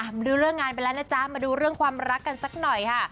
มาดูเรื่องงานไปแล้วนะจ๊ะมาดูเรื่องความรักกันสักหน่อยค่ะ